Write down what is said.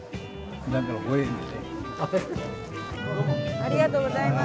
ありがとうございます。